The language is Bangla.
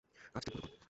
কাজ ঠিকমতো করো।